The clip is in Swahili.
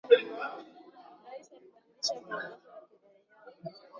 Rais alibadilisha viongozi wa kiraia